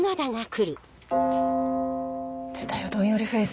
出たよどんよりフェース。